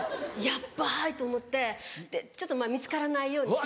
ヤッバいと思ってちょっと見つからないように。